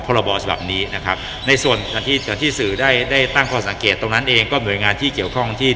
พรบฉบับนี้นะครับในส่วนที่ที่สื่อได้ได้ตั้งข้อสังเกตตรงนั้นเองก็หน่วยงานที่เกี่ยวข้องที่